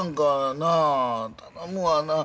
なあ頼むわなあ。